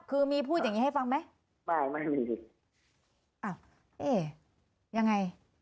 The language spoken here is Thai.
ก็ไม่มี